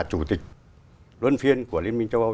chủ tịch luân phiên của liên minh châu âu